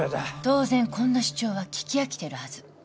当然こんな主張は聞き飽きてるはず